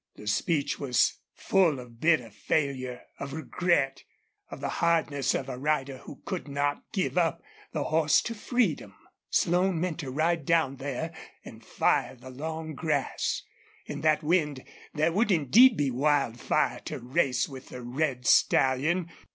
The speech was full of bitter failure, of regret, of the hardness of a rider who could not give up the horse to freedom. Slone meant to ride down there and fire the long grass. In that wind there would indeed be wildfire to race with the red stallion.